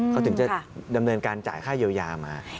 เขาถึงจะดำเนินการจ่ายค่าเยียวยามา